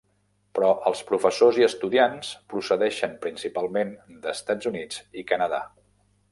Però els professors i estudiants procedeixen principalment d'Estats Units i Canadà.